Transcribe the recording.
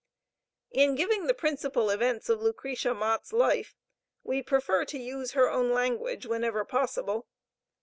In giving the principal events of Lucretia Mott's life, we prefer to use her own language whenever possible.